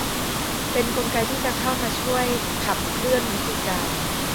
เป็นกลไกที่จะเข้ามาช่วยขับเคลื่อนวิธีการ